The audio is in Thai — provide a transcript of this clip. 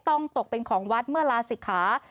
ต้องตกเป็นของวัดเมื่อลาศิษฐา